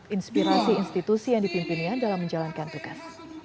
inspirasi institusi yang dipimpinnya dalam menjalankan tugas